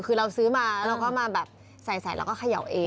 คือเราซื้อมาแล้วเราก็มาแบบใส่แล้วก็เขย่าเอง